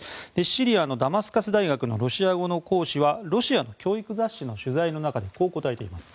シリアのダマスカス大学のロシア語の講師はロシアの教育雑誌の取材の中でこう答えています。